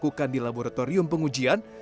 dilakukan di laboratorium pengujian